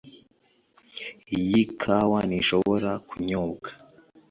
Iyi kawa ntishobora kunyobwa